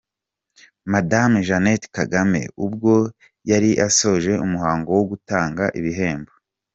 Madame Jeannette Kagame ubwo yari asoje umuhango wo gutanga ibihembo.